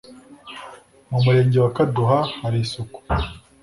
Mu murenge wa Kaduha hari isuku